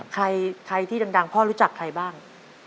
ใครที่ดังพ่อรู้จักใครบ้าง